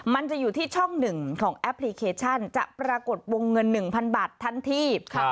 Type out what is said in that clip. มันจะอยู่ที่ช่อง๑ของแอปพลิเคชันจะปรากฏวงเงิน๑๐๐๐บาททันที